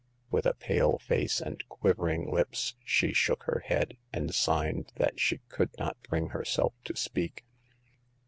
With a pale face and quivering lips, she shook her head, and signed that she could not bring herself to speak.